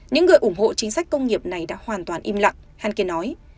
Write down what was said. những người ủng hộ chính sách công nghiệp này đã hoàn toàn im lặng hanken nói